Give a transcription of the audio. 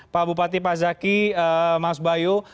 pak bupati pak zaki mas bayu